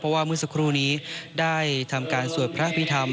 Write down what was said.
เพราะว่ามืดสักครู่นี้ได้ทำการสวดพระอภิษฐรรม